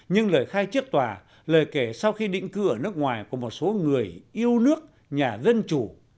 nhưng lời khai trước tòa lời kể sau khi định cư ở nước ngoài của một số người yêu nước nhà dân chủ